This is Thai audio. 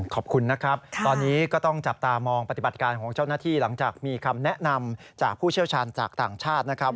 ขอบคุณนะครับตอนนี้ก็ต้องจับตามองปฏิบัติการของเจ้าหน้าที่หลังจากมีคำแนะนำจากผู้เชี่ยวชาญจากต่างชาตินะครับ